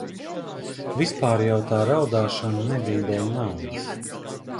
Vispār jau tā raudāšana nebija dēļ naudas.